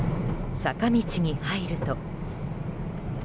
坂道に入ると。